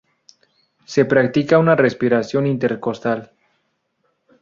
Se practica una respiración intercostal.